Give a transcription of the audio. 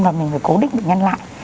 và mình phải cố định bệnh nhân lại